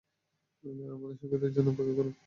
আমার সংকেতের জন্য অপেক্ষা করো।